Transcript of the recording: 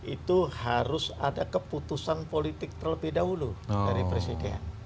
itu harus ada keputusan politik terlebih dahulu dari presiden